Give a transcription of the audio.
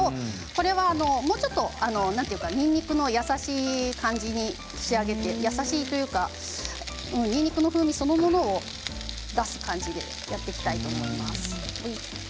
これはもうちょっとにんにくの優しい感じに仕上げて優しいというか、にんにくの風味そのものを出す感じでやっていきたいと思います。